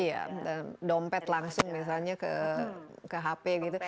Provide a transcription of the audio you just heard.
iya dompet langsung misalnya ke hp gitu